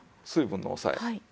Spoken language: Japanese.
水分の抑え。